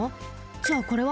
じゃあこれは？